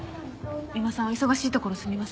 三馬さんお忙しいところすみません。